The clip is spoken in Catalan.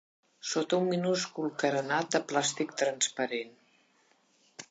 Sota un minúscul carenat de plàstic transparent.